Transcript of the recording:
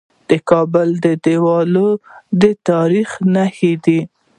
د کابل دیوالونه د تاریخ نښې دي